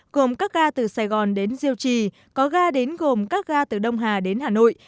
gồm các ga từ sài gòn đến diêu trì có ga đến gồm các ga từ đông hà đến hà nội